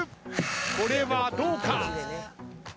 これはどうか？